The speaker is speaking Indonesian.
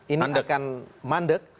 ini akan mandek